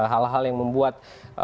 hal hal yang membuat